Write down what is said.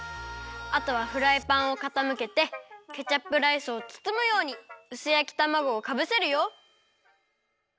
あとはフライパンをかたむけてケチャップライスをつつむようにうすやきたまごをかぶせるよ。